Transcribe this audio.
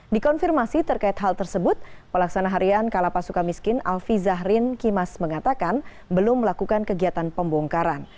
dikonfirmasi terkait hal tersebut pelaksana harian kalapas suka miskin alfi zahrin kimas mengatakan belum melakukan kegiatan pembongkaran